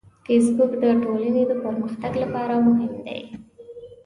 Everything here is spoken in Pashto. فېسبوک د ټولنې د پرمختګ لپاره مهم دی